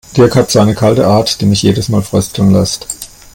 Dirk hat so eine kalte Art, die mich jedes Mal frösteln lässt.